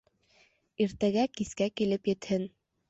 Иртәгә кискә килеп етһен.